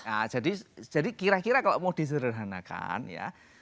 nah jadi kira kira kalau mau disederhanakan ya